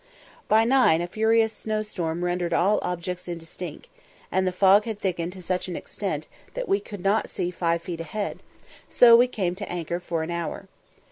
By nine a furious snow storm rendered all objects indistinct, and the fog had thickened to such an extent that we could not see five feet ahead, so we came to anchor for an hour.